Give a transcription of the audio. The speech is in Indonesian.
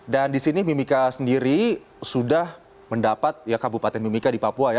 dan di sini mimika sendiri sudah mendapat ya kabupaten mimika di papua ya